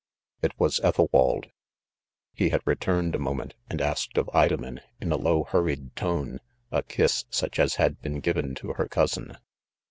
It was Ethalwald ; he had returned a moment, and asked of Idomen, in a low hurried tone, a kiss such as had "been giren to her couqin.